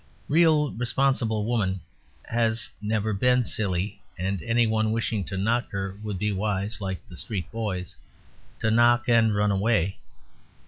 Real responsible woman has never been silly; and any one wishing to knock her would be wise (like the streetboys) to knock and run away.